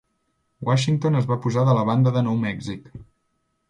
Washington es va posar de la banda de Nou Mèxic.